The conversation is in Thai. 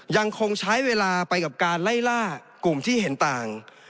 ยังคงใช้เวลาไปกับการไล่ล่ากลุ่มที่เห็นต่าง